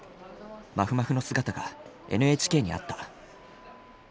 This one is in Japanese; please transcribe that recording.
まふまふの姿がＮＨＫにあった。